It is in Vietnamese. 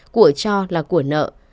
của cho là của nợ